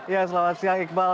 ya selamat siang iqbal